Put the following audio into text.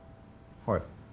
はい。